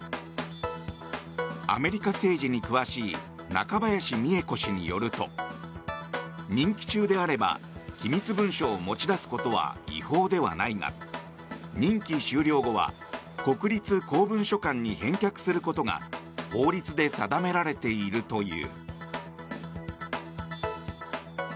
アメリカ政治に詳しい中林美恵子氏によると任期中であれば機密文書を持ち出すことは違法ではないが任期終了後は国立公文書館に返却することが法律で定められているという。